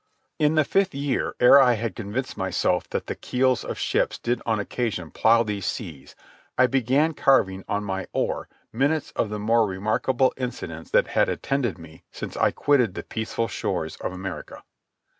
In the fifth year, ere I had convinced myself that the keels of ships did on occasion plough these seas, I began carving on my oar minutes of the more remarkable incidents that had attended me since I quitted the peaceful shores of America.